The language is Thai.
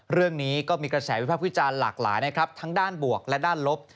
เรื่องนี้ก็มีกระแสวิภาพวิจารณ์หลากหลายนะครับทั้งด้านบวกและด้านลบ